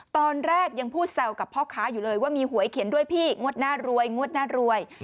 ตอนแรกยังพูดแซวกับพ่อค้าอยู่เลยว่ามีหวยเขียนด้วยพี่งวดหน้ารวยงวดหน้ารวย